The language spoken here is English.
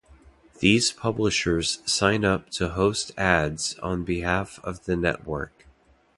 These publishers sign up to host ads on behalf of the network.